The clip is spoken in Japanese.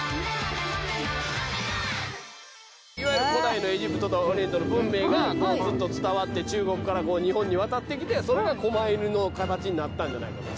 いわゆる古代のエジプトとオリエントの文明がずっと伝わって中国から日本に渡ってきてそれがこま犬の形になったんじゃないかと。